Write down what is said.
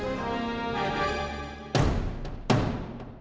aku sudah berpikir